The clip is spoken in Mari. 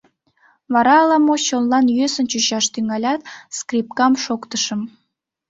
Вара ала-мо чонлан йӧсын чучаш тӱҥалят, скрипкам шоктышым...